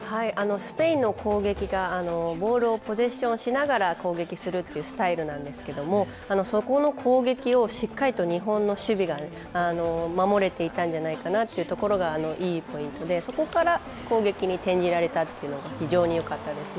スペインの攻撃がボールをポゼションしながら攻撃するスタイルなんですけどそこの攻撃をしっかりと日本の守備が守れていたんではないかというところがいいポイントで、そこから攻撃に転じられた、非常によかったです。